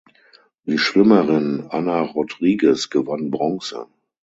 Die Schwimmerin Ana Rodrigues gewann Bronze.